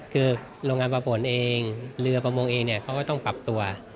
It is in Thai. คือโรงงานประปนเองเรือประมงเองเนี่ยเขาก็ต้องปรับตัว